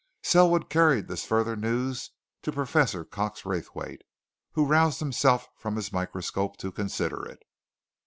Selwood carried this further news to Professor Cox Raythwaite, who roused himself from his microscope to consider it.